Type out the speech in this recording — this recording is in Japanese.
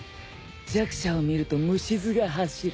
弱者を見るとむしずが走る。